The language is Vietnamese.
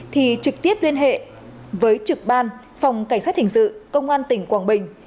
thì trực tiếp liên hệ với trực ban phòng cảnh sát hình sự công an tỉnh quảng bình